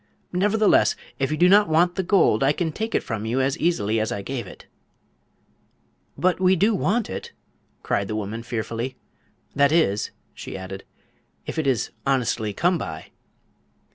Nevertheless, if you do not want the gold I can take it from you as easily as I gave it." "But we do want it!" cried the woman, fearfully. "That is," she added, "if it is honestly come by."